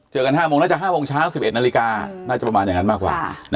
เจอกันห้าโมงน่าจะห้าโมงเช้าสิบเอ็ดนาฬิกาอืมน่าจะประมาณอย่างนั้นมากกว่าอ่า